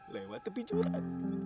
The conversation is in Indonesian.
lewat tepi joran